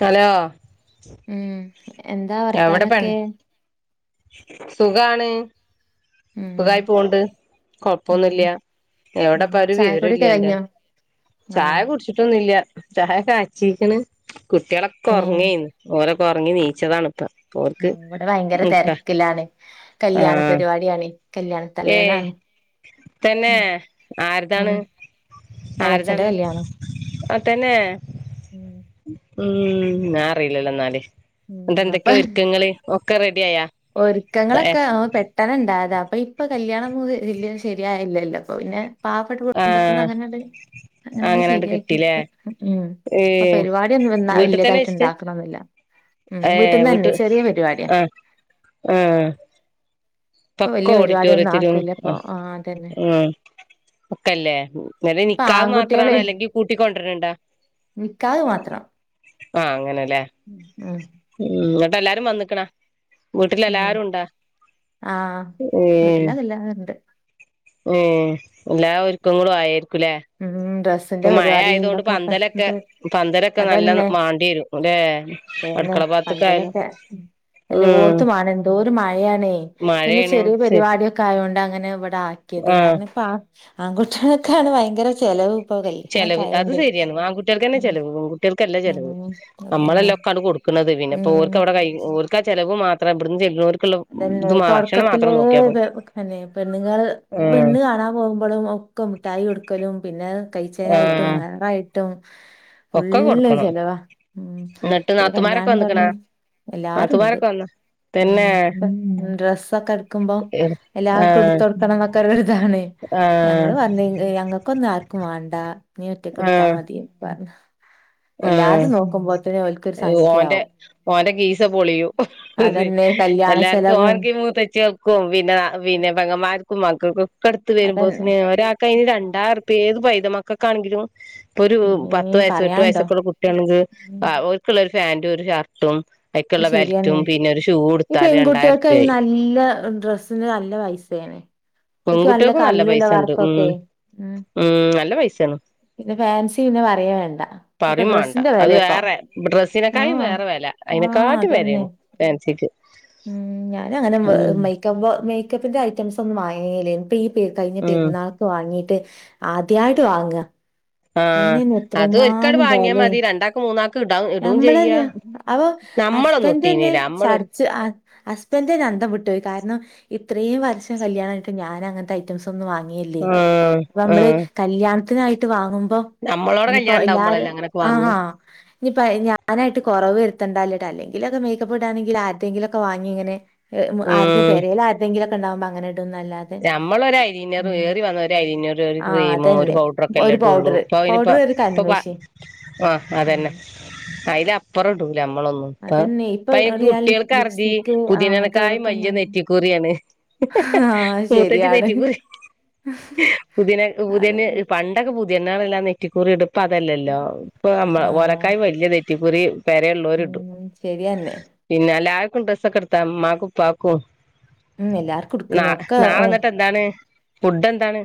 Hello ഉം എന്താ എവിടെ പെണ് വർത്താനൊക്കെ സുഖാണ് ഉം സുഖമായി പോണ്ട് ഉം കൊഴപ്പൊന്നുംല്ല ഉം എവിടപ്പ ഒരു വിവരം ഇല്ല ചായക്കുടിയൊക്കെ അന്റെ കഴിഞ്ഞോ ആഹ് ചായ കുടിച്ചിട്ടൊന്നുംല്ല ചായ കാച്ചീക്ക്ണ് കുട്ടികളൊക്കെ ഉം ഉം. ഉറങ്ങേന്ന് ഓല് ഉറങ്ങി നീച്ചതാണ ഇപ്പ ഓർക്ക് ഇവിടെ ഭയങ്കര മുട്ട തിരക്കിലാണ് കല്യാണ് ആഹ് പരിപാടിയാണ് കല്യാണ ഏ തലേന്നാണ് തന്നെ ആര് ഉം താണ് എളച്ചന്റെ ആര്താണ് കല്യാണം ആ തന്നെ ഉം ഉം ഞാൻ അറിയില്ലല്ലോ എന്നാല് ന്നിട്ട് ഉം അപ്പൊ എന്തൊക്കെയ ഒരുക്കങ്ങള് ഒക്കെ റെഡ ഒരുക്കങ്ങളൊക്കെ പെട്ടെന്ന് ഇണ്ടായതാ ഇപ്പൊ കല്യാണം എല്ലാം ശരിയായില്ലല്ലോ അപ്പൊ പിന്നെ പാവപ്പെട്ട കുടുംബത്തിന്ന് ആഹ് അങ്ങനട് അങ്ങനെയ അങ്ങനാണ്ട് ശരിയാക്കി കിട്ടീല്ലേ ഉം അപ്പൊ ഏഹ് പരിപാടിയ ഒന്നും വീട്ടിൽ തന്നെ വലിയതായിട്ട് വെച്ചിട്ട് ഇണ്ടാക്കണെന്നില്ല. ഉം വീട്ടന്ന് തന്നെ ചെറിയ പരിപാടിയാ ആാാ ഇപ്പൊ പക്ക വല്യ പരിപാടിയൊന്നും ഓഡിറ്റോറിയത്തിലും ആക്കൂല ഇപ്പൊ ആ അതന്നെ [unintelligible] [unintelligible] ഇപ്പൊ നിക്കാഹ് ആൺകുട്ടികളെ മാത്രാണോ അല്ലെങ്കിൽ കൂട്ടിക്കൊണ്ടുവരണ്ടോ നിക്കാഹ് മാത്രം ആഹ് അങ്ങനല്ലേ ഉം ഉം എന്ന്‌ട്ട് എല്ലാരും വന്നിക്കണാ വീട്ടിൽ എല്ലാരും ഉണ്ടാ ആ വീട്ടില് അതെല്ലാണ്ട് ഉം എല്ലാ ഒരുക്കങ്ങളും ആയി ഉം ഡ്രെസ്സ് ഇപ്പൊ മഴ ആയത കൊണ്ട് പന്തലൊക്കെ പന്തലൊക്കെ നല്ല അതന്നെ വാണ്ടി വരും അല്ലെ അതന്നെ അടുക്കള ഭാഗത്തൊക്കെ ആയാലും പന്തലൊക്കെ അല്ലെ ഉം ഓർത്തു [unintelligible] എന്തോരു മഴയാണേ പിന്നെ മഴയാണ് ചെറിയ ശരി പരിപാടിയൊക്കെ ആയൊണ്ട് അങ്ങനെ ഇവിടെ ആക്കിയത് ആഹ് കാരണം ഇപ്പം ആ ആൺകുട്ടികൾക്കൊക്കെയാണ് ഭയങ്കര ചെലവും ചെലവ് അത് ശെരിയാണ് ആൺകുട്ടികൾക്ക് തന്നെ ചെലവ് പെൺകുട്ടികൾക്ക് കല്ലേ ചിലവ് ഉം അതന്നെ നമ്മളെല്ലാം ഒക്കാണ് കൊടുക്കുന്നത് ഉം പിന്നെവിടെ ചിലവ് മാത്ര ഇവിടുന്ന് ചെല്ലാണോർ അതന്നെ തുടക്കത്തിലെ പിന്നെ പെണ്ണുങ്ങള് ആഹ് പെണ്ണ് കാണാൻ പോകുമ്പോഴും ഒക്കെ മുഠായി കൊടുക്കലും പിന്നെ കൈച്ചേനായിട്ടും ആഹ് മെഹറായിട്ടും ഒക്കെ ഫുള്ള് കൊടുക്കണം ചെലവാ ഉ എന്നിട്ട് പിന്നെ നാത്തുമാരൊക്കെ കല്യാണം പറഞ്ഞു വന്നിക്കണാ എല്ലാരും ഉണ്ട് നാത്തുമാരൊക്കെ വന്ന ഉം തന്നെ മ്മ് ഡ്രസ്സൊക്കെ എടുക്കുമ്പോ ആഹ് എല്ലാവർക്കും എടുത്ത് കൊടുക്കണം എന്നൊക്കെരിതാണ് ഞങ്ങ ആഹ് [unintelligible] ഞങ്ങൾക്കൊന്നും ആർക്കും വേണ്ട നീ ഒറ്റക്കെടുത്താ മതിന്ന് പറഞ്ഞ് ആഹ ഓൽക്കൊരു ഓന്റെ സംഖ്യയാവും ഓന്റെ ഗീസ പൊളിയൂ ഹിഹാ അതന്നെ കല്യാണ എല്ലാർക്കും ചെലവും ഓനക്ക് മൂത്തച്ചികൾക്കും പിന്നെ പിന്നെ പെങ്ങമാർ മക്കൾക്കൊക്കെ അടുത്ത് വരുമ്പോ സ്നേഹം അതന്നെ ഒരാൾക്ക് അതിന് രണ്ടാറുപ്യ ഏത് പൈത മക്കക്കാണെങ്കിലും ഇപ്പൊ ഒരു പിന്നേ പത്ത് വയസ്സും എട്ടു പറയാണ്ടോ വയസ്സൊക്കെ ഉള്ള കുട്ടിയാണെങ്കിൽ ഉം ഓർക്കുള്ള ഒരു പാന്റും ഒരു ഷർട്ടും അയ്ക്കുള്ള ബെൽറ്റും ശെരിയാന്നേ പിന്നെ ഒരു ഷൂ ഈ എടുത്താല് പെൺകുട്ടികൾക്കെ രണ്ടായിറുപ്യായി നല്ല ഡ്രസ്സിന്റെ നല്ല പൈസയാനേ പെൺകുട്ടികൾക്കും നല്ല പൈസ ഉണ്ട് ഉം ഉം നല്ല പൈസാണ് പിന്നെ ഫാൻസി പിന്നെ പറയേ വേണ്ട ഒക്കെ പറയും വേണ്ട ഡ്രസ്സിന്റെ അത് വെലയാപ്പൊ വേറെ ഡ്രെസ്സിനെക്കായും ആഹ് വേറെ വില അതിന [unintelligible] [unintelligible] ഉ ഞാൻ അങ്ങനെ മേ മേക്കപ്പിന്റെ ഐറ്റംസ് ഒന്നും വാങ്ങല്ലേ കഴിഞ്ഞ ഉം പെരുന്നാൾക്ക് വാങ്ങിട്ട് ആദ്യായിട്ട് വാങ്ങാ ആഹ് അയിന്നനെ അത് ഒരിക്കട് വാങ്ങിയാ എത്രങ്ങാണ്ടാല്ലേ മതി രണ്ടാക്ക് മൂന്നാക്ക് ഇടാ ഇടും ചെയ്യാ ഞമ്മളന്നെ അവ നമ്മളൊന്നും ഹസ്ബൻഡ തന്നെ ഇട്ടീന്നില്ല നമ്മളൊരു ചടച്ച് ഹസ്ബൻഡ തന്നെ അന്തം വിട്ടുപോയി കാരണം ഇത്രയും വർഷം കല്യാണമായിട്ട് ഞാൻ അങ്ങനത്തെ ഐറ്റംസ് വാങ്ങല്ലേ ആഹ് നമ്മ ആഹ് കല്ല്യാണത്തിനായിട്ട് വാങ്ങുമ്പോ ഇ നമ്മളോടെ ഇനിപ്പോ കല്യാണം ഉണ്ടാവുമ്പോളല്ലേ എല്ലാരും അങ്ങനൊക്കെ വാങ്ങ ആഹാ ഇനിപ്പോ ഞാനായിട്ട് കൊറവ് വരു ത്തണ്ടാലിട്ട് അല്ലെങ്കിലൊക്കെ മേക്കപ്പ് ഇടാെങ്കിൽ ആരെെങ്കിലൊക്ക വാങ്ങെ പേരൽ ആരെങ്കിലുമൊക്കെ ഉണ്ടാവുമോ അങ്ങനെ ഇടുംന്നല്ലാതെ നമ്മളൊ ഒരുഐലീനർ ഉം ഏറി വന്ന ഒരു എയെലെണർ ഒരു ആ ക്രീമോ ഒരു അതന്നെ പൗഡറ ഒക്കെ എല്ല ഒരു ഇട്ടും ഉള്ളു പൗഡർ അപ്പം അയിനിപ്പൊ പൗഡർ ഒരു ഇപ്പ കൺമഷി ആ ഉം അതന്നെ ആ അതിലപ്പുറം ഉണ്ട് നമ്മളൊന്നും ഇപ്പ അതന്നെ ഇപ്പൊ എടി ആ ലിപ് കുട്ടികൾക്ക് അർതി ലിപ്സ്റ്റിക് ആ അങ്ങനത്തെ ഓരോക്കെ പുതിനനക്കായവലിയ മാറ്റം നെറ്റിക്കൂറിയാണ് [unintelligible] ആ മൂത്തച്ചി ശരിയാണ് തേറ്റിക്കറി പുതിന അതെ പുതിയേണ് പണ്ടൊക്കെ പുതി ഇണാണല്ലാം നെറ്റിക്കുറി എടുപ്പ് അതല്ലല്ലോ ഇപ്പ നമ്മ ആ ഓരക്കായ വല്യ നെറ്റിക്കുറി പേരെയുല്ലൊരു ഇടും ഉം ശരിയന്നെ പിന്നെ എല്ല ആർക്കും ഡ്രസ്സൊക്കെ എടുത്താ ഉമ്മാക്കും ഉപ്പാക്കും ഉ എല്ലാർക്കും ന നാളെ എന്നിട്ട് എന്താണ് ഫുഡ് എന്താണ്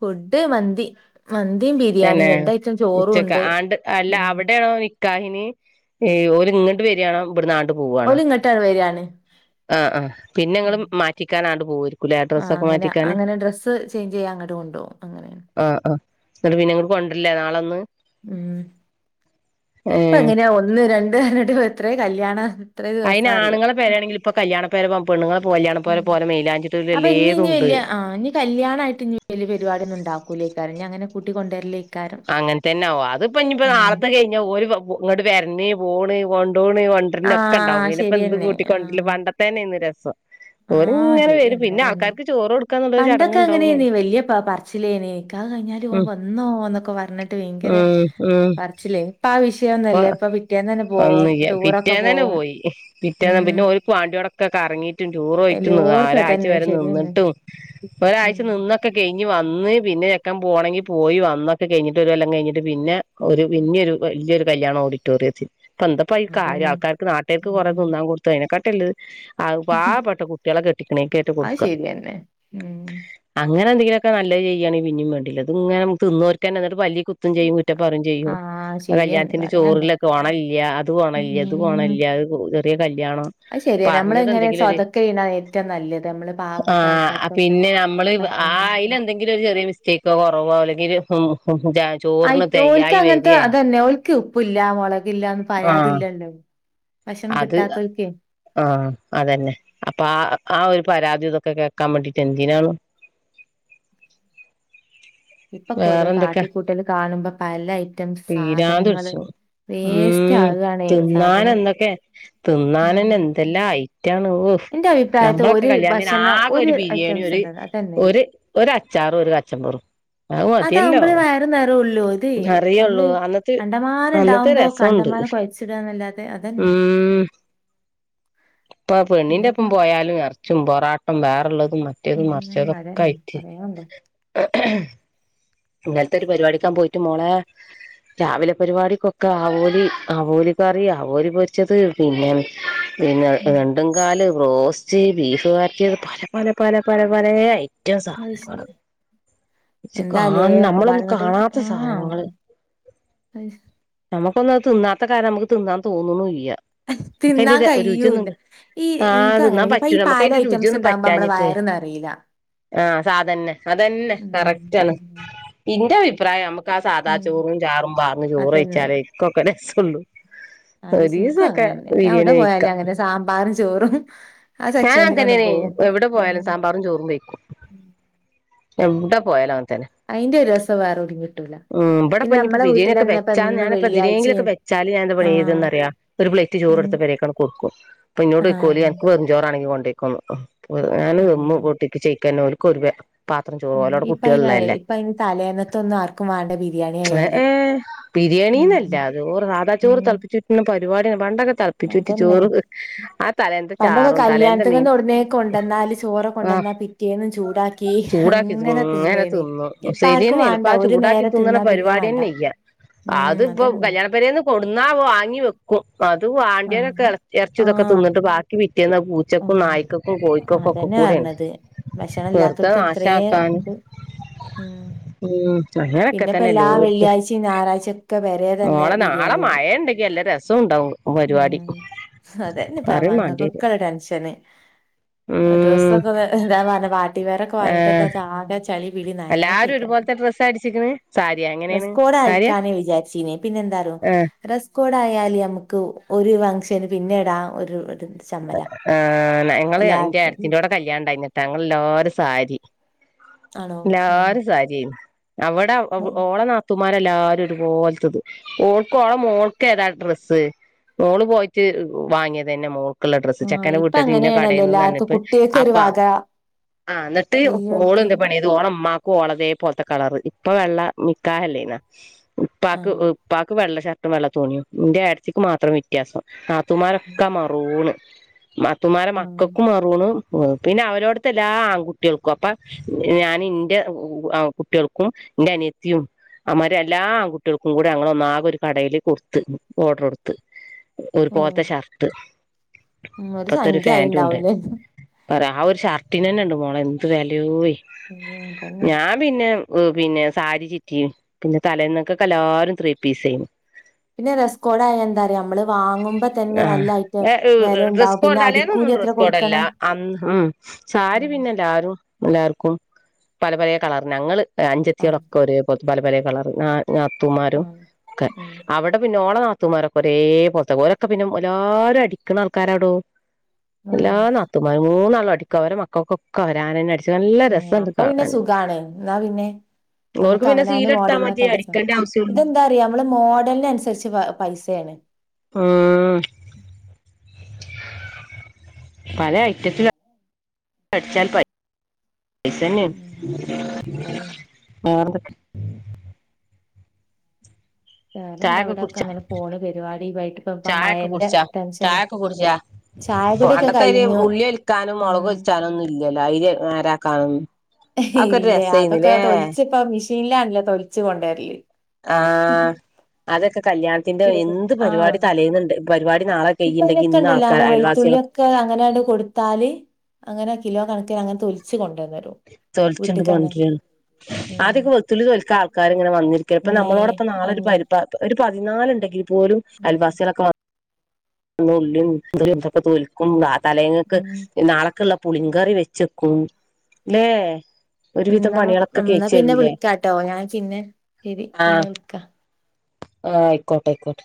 ഫുഡ് മന്തി മന്തിയും ബിരിയാണിയ പിന്നെ രണ്ടായിട്ടം ചോറും ഉണ്ട് ഉ ഓ നിക്കാഹിനി ഓര് ഇങ്ങണ്ട് വേരാണോ ഇവിടുന്നാ പൂവാണ ഓല് ഇങ്ങോട്ടാണ് വരികയാണ് ആ ആ ഉം. പിന്നങ്ങളും മാറ്റിക്കാനാണ്ട് പൂവല് ആ അങ്ങന അങ്ങനെ ഡ്രസ്സ് ചേഞ്ച് ചെയ്യാ അങ്ങട്ട് കൊണ്ടൊവും അങ്ങനെയ ആഹ് ആഹ് എന്നിട്ട് പിന്നങ്ങട്ട് കൊണ്ട്ര്ല്ല നാളൊന്നു ഉം ഇപ്പ ഏഹ് എങ്ങനെയ ഒന്ന് രണ്ട് പറ്ഞ്ഞിട്ട് എത്രയൊ കല്യാണ അയിന് ആണ്ങ്ങള് പെഴയാണങ്കി ഇപ്പ കല്യാണ പെരവം പെണ്ങ്ങളപോലെയാണ് [unintelligible] അപ്പ ഇനി ഇനി വല്യ ആ ഇനി കല്യാണ ആയ്ട്ട് ഇനി വല്യ പെരിപാടി ഒന്നും ഉണ്ടാക്കൂലേക്കാര് ഞ അങ്ങെ കൂട്ടി കൊണ്ടരല് അങ്ങന് തന്നാവ അത്പ്പോ ഇനിയ്പ്പോ നാളത്തെ കൈഞ്ഞ ഒരു ഇങ്ങട്ട് വര്ണെ പോണ് കൊണ്ട് ണ്ടൂണ് ആ വണ്ടർലഒക്കെഇണ്ടാവും പിന്നിപ്പോ ശരി എന്ത് തന്നെ ആ കൂട്ടിക്കൊണ്ട്രല്ല് പണ്ടത്തെയനെ ആയ്ന്ന് രെസം ആ ഓരിങ്ങനെ ശരി വരും തന്നെ പിന്നെ പറയാണ്ടോ ആൾക്കാർക്ക് ചോറു കൊടു പണ്ടൊക്കെ അങ്ങനെയാര്നീ വെല്യ പ പറ്ച്ചിലേനെ ഇക്കാഹ് കൈഞ്ഞാലു ഉം പോമ്പോ വന്നോന്നൊക്ക പറ്ഞ്ഞിട്ട് വിങ്കരെ ഉം ഉം പർചിലെ ഇപ്പാ ഇപ്പൊ വിഷയൊന്നില്ല ഇപ്പ പിറ്റേന്ന് പോവും ഒന്നുല്ല പിറ്റേന്ന് തന്നെ പോവും പോയി പിറ്റേന്ന് പിന്നെ ഉം ഒരു [unintelligible] ടൂറുയ്റ്റന്ന് ആ എല്ലോടത്തും ഒരാഴ്ച അതന്നെ വരെ ശരി തന്നെ നിന്നിട്ടും ഉം ഒരാഴ്ച നിന്നൊക്കെ കൈഞ്ഞ് വന്ന് പിന്നെ യെക്കൻ പോണെങ്കി പോയി വന്ന ഒക്കെ കൈഞ്ഞിട്ട് വരു എല്ലാ കൈഞ്ഞിട്ട് പിന്നെ ഒരു വെന്യൊരു വല്യോരു കല്യാണ ഓഡിറ്റോറിയത്തി ഇപ്പ എന്തപ്പ ഈ കാര്യ അതന്നെ ആൾക്കാർക്ക് നാട്ടേറ്ക്ക് കൊറേ ഉം തിന്നാ കൊടട്ത്തു കൈഞ്ഞ കർട്ടല്ലത് ആ പാ പെട്ട കുട്ടിയളെ കെട്ടിക്കണെക് ആയ്ട്ട് അത് കൊട്ക്ക ശരി തന്നെ ഉം അങ്ങനെന്തേ ഇയ്നോക്കെ നല്ലയ്യെയാണെ പിന്നേം വേണ്ടല്ല ഇതിങ്ങെ മ് തിന്നോറ്ക്ക് എന്നിട്ട് പല്ലി കുത്തും ചെയ്യും കുറ്റപ്പറ്യും ചെയ്യും ആ അ ശരി തന്നെ കല്യാണ്ത്തിന്റെ പറയാണ്ടോ ചോറ്ണ്ലൊക്കെ ഒണ ഇല്ല്യ അത് കൊണവില്ല്യ ഇത് ഉം. കൊണവില്ല്യ അ കല്യാണം അത് ശരിയാ. പറഞ്ഞത് നമ്മളിങ്ങനെ എന്തെങ്കിലു ഒര് സ്വതക്കെ ചെയ്യണതാണ് ഏറ്റവും നല്ലത്. നമ്മള് ആ പാവപ്പെട്ട ആൾക്കാർക്കൊക്കെ അപ്പിനെ നമ്മള് ആ ഭക്ഷണം കൊടുക്കാൻ. അയ്നെന്തെങ്കിലു ഒരു ചെറിയ മിസ്റ്റേക്കോ കൊറവോ അല്ലെങ്കില് ഉം ആയ്ട്ട് ഓള്ക് അങ്ങന്ത്തെ അതന്നെ ഓള്ക്ക് ഉപ്പ്ല്ല മൊളകില്ലന്ന് ആഹ് പരാതിയില്ലല്ലോ ഭക്ഷണം കിട്ടാത്തോൽക്കെ ആ അതന്നെ അപ്പ ആ ആ ഒരു പരാതി ഇതുക്കെ കേക്കാബേണ്ടിട്ട് എന്തിനാണ് [unintelligible] ഇപ്പക്കോരോ വേറെ എന്തൊക്കെ കാട്ടിക്കൂട്ടല് കാണുമ്പ പല ഐറ്റം പിരാന്ത് സാധനങ്ങള് പിടിച്ചു വേസ്റ്റ് ഉം ആകാണേ സാധനം. തിന്നാനെന്തൊക്കെ ഉം. തിന്നാനനെന്തെല്ലാം ആയ് റ്റാണ് ഓ എന്റെ അഭിപ്രായത്തിൽ നമ്മളൊക്കെ ഒരു കല്യാണന് ഭക്ഷണം ആകെ ഒരു ബിരിയാണി ഐറ്റംസ് ഉണ്ടല്ലോ അതന്നെ. ഒര് ഒരച്ചാറും ഒരു കച്ചമ്പറും അമതിയല്ലോ അതാവുമ്പളേ വയറ് നിറയുള്ളൂ. ഇത് നമ്മള് അറിയഒള്ളൂ അന്നത്തെ കണ്ടമാനം അന്നത്തെ ഉണ്ടാവുമ്പോ രെസൊണ്ട് കണ്ടമാനം കുഴച്ചിടുകന്നല്ലാതെ അതന്നെ. ഉം ഇപ്പ ആ പെണ്ണിന്റെപ്പം പിന്നെപ്പോ പോയാലു [unintelligible] ച്ചും പൊറാട്ടം വേറൊള്ളതും മറ്റേതും ഉം മറ്ച്ചതൊക്കെ അതന്നെ ആയിട്ട് പറയാനുണ്ടോ [inaudible] ഇങ്ങന്ത്തെ ഒരു പരിപാടിക്കാ പോയ്ട്ട് മോളെ രാവിലെ പരിപാടിക്കൊക്ക ആവോലി ആവോലിക്കാ രി ആവോലി പൊര്ച്ചത് പിന്നെ പിന്നെ ഉം രണ്ടുംകാല് റോസ്റ്റ് ബീഫ് വര്റ്റിത് പല പല പല പല പലേ പറ്റിയ അത് ശരി സധന്ങ്ള് ശെ കാ എന്താലേ നമ്മളൊന്നു ഒക്കെപാടങ്ങട്ട് കാണാത്ത ആഹ് സാനങ്ങള് അത് ശരി. നമ്മക്കൊന്നു അത് തിന്നാത്ത കാര്ണും നമുക്ക് തിന്നാന് തോന്നുന്നു ഇല്ല തിന്നാൻ നമക്കയന്റിത് കഴിയൂല്ല ഒരുചിയൊന്നുണ്ട് ഈ ആ തിന്നാ ഇൻക്കങ്ങനെ ഇപ്പ ഈ പറ്റൂല പാല് നമ്മക്കയ്ന്റെ ഐറ്റംസ് രുചിയൊന്നും ഉണ്ടാകുമ്പോ നമ്മളെ പറ്റാഞ്ഞിട്ടേ വയറ് നെറീല്ല ആ സാധന്നെ അതന്നെ ഉം കറക്റ്റാണ് ഉം ഇന്റെ അബിപ്രായം നമുക് ക്ക സാദാ ഉം ചോറും ചാറും [unintelligible] ചോറു അതന്നെ കൈചാലെ ഇക്കൊകെ വെസ്സുള്ളു അ സുഖാ അങ്ങനെ ഞാ എവ്ടെ പോയാലും അങ്ങനെ സാമ്പാറും ചോറും ആ സെക്ഷനിലാണ് പോവു എവ്ടെ പോയാലും സാമ്പാറും ചോറും കയ്ക്കും എവ്ടെ പോയാലു അങ്ങ് അയ്ന്റെ രെസം വേറെവ്ടേം കിട്ടൂല ഉം ഇബ്ടെ പിന്നെ പിന്നിപ്പോ നമ്മളെ ബിരിയാണി വീട്ടിലന്നെ ഇപ്പ ഒക്കെവെചാ എന്നും ഞാനപ്പ വെള്ളിയാഴ്ചിം എന്തിനെങ്കിലൊക്കെവെച്ചാല് ഞന്താ ആഹ് പണിചെയ്തന്നറിയ ഒരു പ്ലേറ്റ് ചോ ഉം [unintelligible] കൊട്ക്കും ഇപ്പോ എന്നോട് [unintelligible] ആഹ് എക്ക് വെറുംചോണങ്കി വെണ് ആഹ് ഞാന്ട്ടിക്ക് ചക്കല പത്രം ഉം ചോറ് [unintelligible] പോലോ ഇപ്പ [unintelligible] അയിന് ള്ളല്ലേ ഇപ്പ അയിന് തലേന്നത്തൊന്നും ആർക്കും വേണ്ട ബിരിയാണി ഏ ആയാല് ഏ ബിരിയാണീന്നല്ല ഉം അത് ഓ രാധാ [unintelligible] ചോറ് ഉം തളപ്പിച്ചൂറ്റണം അതന്നെ ആ തലേന്ത പണ്ടൊക്കെ ചാറും തലേന്ത കല്യാണത്തിന്ന് മീൻ എവടന്നേലും കൊണ്ടന്നാല് ചോറ് റ് ആ കൊണ്ടന്നാ പിറ്റേന്നും ചൂടാക്കി അങ്ങനെ അങ്ങനെ തിന്നേനി തിന്നും ഇപ്പ ആർക്കും ശരിയന്നെയാണ് ഇപ്പ വേണ്ട ആ ഒരു ചൂടാക്കി നേരം തിന്നണ തിന്നാ പിന്നെ വേണ്ട പരിപാട്യന്നെ ഇല്ല അത് ഉം ഇപ്പൊ അതന്നെ കല്യാണപ്പെരേന്ന് കൊടുന്നാ വാങ്ങി വെക്കും അത് വണ്ട്യേനൊക്കെ ആഹ് ഇറച്ചി ഇതൊക്കെ ആഹ് തിന്നിട്ട് ബാക്കി പിറ്റേന്ന് പൂച്ചക്കും ആഹ് നായക്കൊക്കെ കോഴിക്കൊക്കെ അതന്നെ കൂടെണ് പറഞ്ഞത് ഭക്ഷണം വെറുതെ ഇല്ലാത്തോർക്ക് എത്രയും നാശാക്കാൻ ഇത് ഉം ഉം അങ്ങനൊക്കെ പിന്നെ ഇപ്പ തന്നെ എല്ലാ എല്ലോർത്തും വെള്ളിയാഴ്ചയും ഞായറാഴ്ചയും ഒക്കെ പെരേ തന്നെ മോളെ നാളെ ബിരിയാണിയാണ് മഴണ്ടെങ്കില്ലേ നല്ല രസോണ്ടാവും ഉം അതന്നെ പങ്ങക്ക മാണ്ടിയത് കുക്കള [unintelligible] ടെൻഷന് ഉം ഡ്രസ്സൊക്കെ ദാ പറഞ്ഞിട്ട് പാർട്ടി വെയറൊക്കെ ആ വാങ്ങീട്ടൊക്കെ ചളിപിളി എല്ലാരും നട്ടേക്ക [unintelligible] ഒരുപോലത്തെ ഡ്രസ്സ് അടിച്ചിക്കണ് സാരിയാ എങ്ങനെയാണ് ഡ്രസ്സ് കോഡ് സാരിയാ ആക്കാന്ന് വിചാരിച്ചീനി പിന്നെ ആ ഡ്രസ്സ് കോഡ് ആയാല് നമ്മക്ക് ഒരു ഫംഗ്ഷന് പിന്നെ ഇടാനൊരു ആ ഞങ്ങള് ഇന്റെ എല്ലാർക്കും ഏടത്തീന്റോടെ കല്യാണം ഇണ്ടായിനിട്ടാ ഞങ്ങള് എല്ലാരും സാരി ആണോ ഉം എല്ലാരും സാരി ആയിരുന്ന് അവിടെ ഓളെ നാത്തൂമാര് എല്ലാരും ഒരുപോലത്തത് ഓൾക്കും ആ മോൾക്കും ഏതാ ഡ്രസ്സ് മോള് പോയിട്ട് വാങ്ങിയതന്നെ മോൾ ക്കുള്ള ഡ്രസ്സ് ആഹ് ചെക്കനെ ഇപ്പൊ വീട്ടേര് ഇന്ന അങ്ങനെയാണല്ലോ കടേന്ന് എല്ലാർക്കും പറഞ്ഞിട്ട് കുട്ടികൾക്ക് ഒരു അപ്പ വക ആ എന്നിട്ട് ഓള് വല്യോർക്ക് എന്ത് പണിഎയ്തു ഓ ഉമ്മാക്കും ഓളതേ പോലത്തെ കളറാ ഉപ്പാക്ക് ആഹ് ഉപ്പാക്ക് വെള്ള ഷർട്ടും വെള്ള തുണിയും ഇന്റെ ഏടത്തിക്ക് മാത്രം വ്യത്യാസം നാത്ത നാത്തൂൻമാരൊക്കെ മറൂണ് നാത്തൂൻമാരെടെ ആഹ് മക്കൾക്കും മറൂണ് ഉം പിന്നെ അവരോട ഞാന് ഇൻ്റെ കുട്ട്യാൾക്കും ഇന്റെ അനിയത്തിയും അമാര് എല്ലാ ആൺകുട്ടികൾക്കും കൂടെ ഞങ്ങള് ആകെ ഒരു കടയില് കൊടുത്ത് ഓർഡർ കൊടുത്ത് ഒരുപോലത്തെ ഷർട്ട് ഉം ഒരു ഇപ്പത്തെ സംഖ്യ ഫാന്റും ഉണ്ട് ആയിണ്ടാവൂലേ പറ ആ ഒരു ഷർട്ടിനന്നെ ഇണ്ട് മോളെ എന്ത് വാലെയ് ഉം അതന്നെ ഉം പിന്നെ സാരി ചിറ്റിയും പിന്നെ തലേന്നക്കൊക്കെ എല്ലാരും ത്രീ പീസായിന്ന് പിന്നെ ഡ്രസ്സ്കോഡായ എന്താ അറിയോ നമ്മള് വാങ്ങുമ്പോ തന്നെ നല്ലായിട്ട് ഡ്രസ് വിലയുണ്ടാവും കോഡ് പിന്നെ തലേന്നൊന്നും അടിക്കൂലി എത്ര ഡ്രസ് കോഡല്ല കൊടുക്കണം അന്ന് ഉം സാരി ഉം പിന്നെ എല്ലാരും എല്ലാർക്കും പല പല കളറ് ഞങ്ങള് ആഹ് അനുജത്ത്യാളൊക്കെ ഒരേപോലത്തെ പല പല കളറ് നാ നാത്തൂമാരും ആഹ് ഒക്കെ ഉം അവിടെ പിന്നെ ഓളെ നാ നാത്തൂമാരൊക്കെ ഒരേപോലത്തെ ഓരൊക്കെ പിന്നെ എല്ലാരും അടിക്കണ ആൾക്കാരാടോ ഓ എല്ലാ നാത്തൂമാരും മൂന്നാളും അടിക്കും അവരെ മക്കൾക്കൊക്കെ അവരാരന്നെ അടിച്ചേ നല്ല ഉം രസം അപ്പൊ പിന്നെ സുഖാണ് എന്നാ പിന്നെ ഓർക്ക് നമ്മക്ക് പിന്നെ അവനാന് സീലെടുത്താൽ മോഡലിനൊക്കെ മതി അടിച്ച അടിക്കേണ്ട ആവശ്യള്ളൂ ഇതെന്താറിയാ നമ്മള് മോഡലിനനുസരിച്ച് പൈസെ ആണ് ഉം പല ഐറ്റത്തിലൊ അടിച്ചാൽ പറ്റ് ഉം അതന്നെ [unintelligible] വേറെന്തൊക്കെ? വേറെന്താ ചായൊക്ക ഇവിടെക്കെ കുടിച്ചാ? അങ്ങനെ പോണ് പരിപാടി വൈകിട്ട് ഇപ്പ ഇപ്പ ചായൊക്ക മഴന്റെ കുടിച്ചാ? ടെൻഷന് ചായൊക്ക കുടിച്ചാ? ചായകുടിയൊക്കെ [unintelligible] കഴിഞ്ഞു ഉള്ളി തൊലിക്കാനും മൊളക് ഉം തൊലിച്ചാനും ഒന്നും ഇല്ലല്ലോ അയിര് നേരം ആക്കാനും ഇല്ല അതൊക്കെ തൊലിച്ച് ഇപ്പ മിഷീനിലാണല്ലോ തൊലിച്ച് കൊണ്ട് വരല് ആഹ് അതൊക്ക കല്യാണത്തിന്റെ എന്ത് ആഹ് പരിപാടി തലേന്ന്ണ്ട് പരിപാടി നാളെ കൈയിണ്ടെങ്കി ഇന്ന് ആൾക്കാ അയൽവാസ്യാളൊക്ക അങ്ങനെ അങ്ങട് കൊടുത്താല് അങ്ങനെ കിലോ കണക്കിന് അങ്ങന തൊലിച്ച് കൊ തൊലിച്ചു അങ്ങട് [unintelligible] ഉം ആദ്യൊക്കെ വെളുത്തുള്ളി തൊലിക്കാൻ ആൾക്കാര് ഇങ്ങനെ വിന്നിരിക്ക ഇപ്പ നേ നമ്മളോടൊപ്പം നാളെ ഒരു അന്നെ പരിപാ ഒരു പതിനാല് ഇണ്ടെങ്കിൽ പോലും അൽവാസികളൊക്കെ വ [unintelligible] തൊലിക്കും നാളെ തലേങ്ങക്ക് ഉം നാളെക്ക്ള്ള പുളിങ്കറി വെച്ചു വെക്കും ല്ലേ ഒരുവിധം എന്നാ പണികളൊക്കെ എന്നാ കഴിച്ച് പിന്നെ തരൂല്ലേ വിളിക്കാട്ടോ ഞാൻ പിന്നെ ശരി പിന്നെ ആഹ് വിളിക്കാ ആഹ് ആയിക്കോട്ടെ അയിക്കോട്ടെ